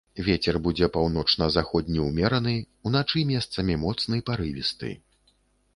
Вецер будзе паўночна-заходні ўмераны, уначы месцамі моцны парывісты.